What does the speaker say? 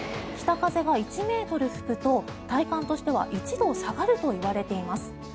北風が１ｍ吹くと体感としては１度下がるといわれています。